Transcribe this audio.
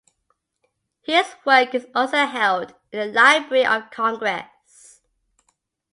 His work is also held in the Library of Congress.